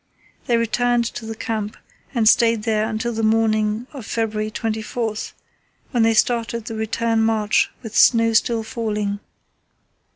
They returned to the camp, and stayed there until the morning of February 24, when they started the return march with snow still falling.